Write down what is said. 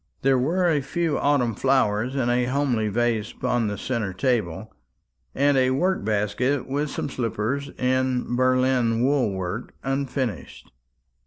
There were a few autumn flowers in a homely vase upon the centre table, and a work basket with some slippers, in Berlin wool work, unfinished.